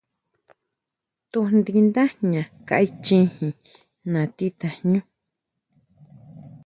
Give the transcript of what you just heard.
Tujndi nda jña kaichijin nati tajñú.